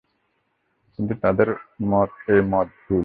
কিন্তু তাদের এ মত ভুল।